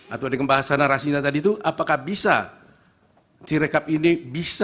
atau dengan bahasa narasinya tadi itu apakah bisa sirekap ini bisa